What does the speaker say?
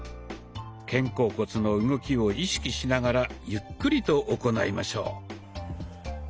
肩甲骨の動きを意識しながらゆっくりと行いましょう。